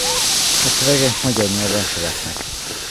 A szövegek magyar nyelven születnek.